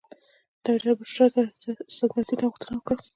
ډاکټرې بشرا له استاد مهدي نه غوښتنه وکړه.